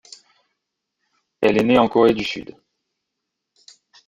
Elle est née en Corée du Sud.